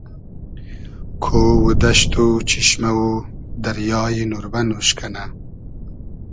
کۉ و دئشت و چیشمۂ و دریای نوربئن اوش کئنۂ